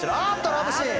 ラブシーン。